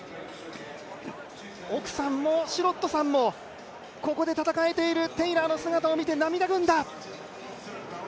奥さんのシュロットさんもここで戦えているテイラーの姿を見て涙ぐんだ。